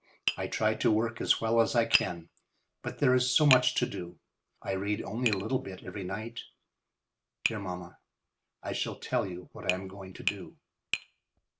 I try to work as well as I can, but there is so much to do. I read only a little bit every night. Dear mamma, I shall tell you what I am going to do.